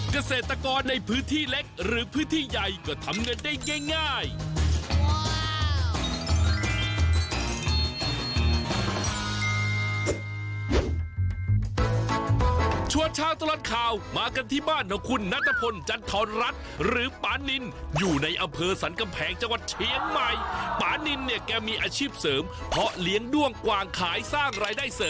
กระเศษตะกอดในพื้นที่เล็กหรือพื้นที่ใหญ่ก็ทำงานได้ง่ายง่าย